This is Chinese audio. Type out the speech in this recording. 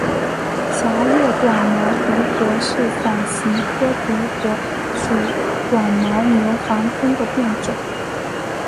狭叶短毛独活是伞形科独活属短毛牛防风的变种。